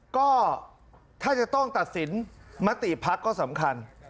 ก็ถ้าจะต้องตัดสินมติพักก็สำคัญ